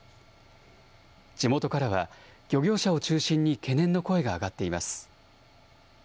地元からは、漁業者を中心に懸念の声が上がっています。